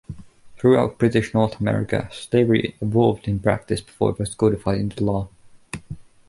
Throughout British North America, slavery evolved in practice before it was codified into law.